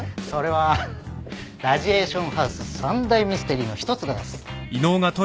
それはラジエーションハウス３大ミステリーの１つです。